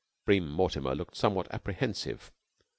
Bream Mortimer looked somewhat apprehensive.